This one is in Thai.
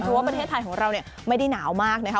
แต่ว่าประเทศไทยของเราเนี่ยไม่ได้หนาวมากนะคะ